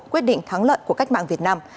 quyết định thắng lợi của cách mạng việt nam